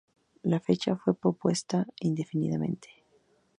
La fecha fue pospuesta indefinidamente.